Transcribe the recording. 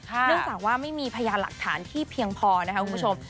เนื่องจากว่าไม่มีพยานหลักฐานที่เพียงพอนะคะคุณผู้ชม